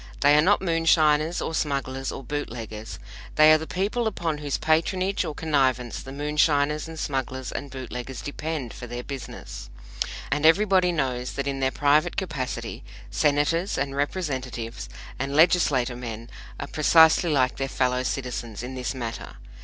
They are not moonshiners or smugglers or bootleggers; they are the people upon whose patronage or connivance the moonshiners and smugglers and bootleggers depend for their business. And everybody knows that, in their private capacity, Senators and Representatives and Legislaturemen are precisely like their fellow citizens in this matter.